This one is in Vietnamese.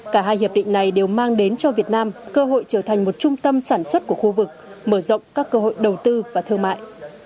cả hai hiệp định này đều mang đến cho việt nam cơ hội trở thành một trung tâm sản xuất của khu vực mở rộng các cơ hội đầu tư và thương mại